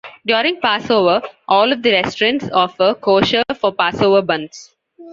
During Passover, all of the restaurants offer kosher-for-Passover buns.